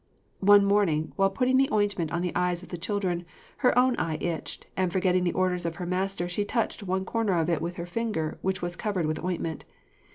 One morning, while putting the ointment on the eyes of the children, her own eye itched, and forgetting the orders of her master she touched one corner of it with her finger which was covered with ointment.